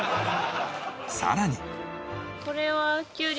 さらに。